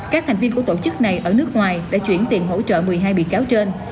các thành viên của tổ chức này ở nước ngoài đã chuyển tiền hỗ trợ một mươi hai bị cáo trên